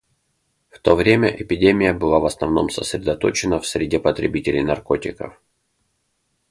В то время эпидемия была в основном сосредоточена в среде потребителей наркотиков.